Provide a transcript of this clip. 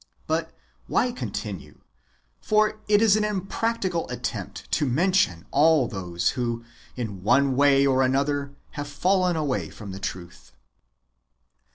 But why continue? For it is an impracticable attem.pt to mention all those who, in one way or another, have fallen aw^ay from the truth.